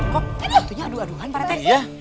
kok sepertinya aduan pak rete